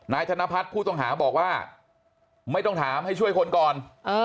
ธนพัฒน์ผู้ต้องหาบอกว่าไม่ต้องถามให้ช่วยคนก่อน